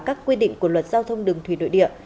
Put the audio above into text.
các quy định của luật giao thông đường thủy nội địa